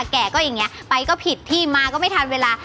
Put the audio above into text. แก่ก็อย่างนี้ไปก็ผิดที่มาก็ไม่ทันเวลา